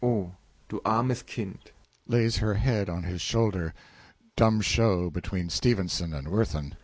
Oh, Du armes Kind! (Lays her head on his shoulder. Dumb show between STEPHENSON and WIRTHIN.)